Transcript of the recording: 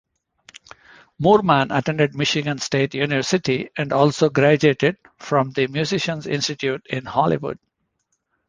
Moorman attended Michigan State University and also graduated from the Musicians Institute in Hollywood.